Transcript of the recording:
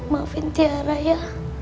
maafin tiara ya